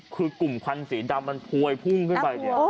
คือกลุ่มควันสีดำมันพวยพุ่งขึ้นไปเนี่ย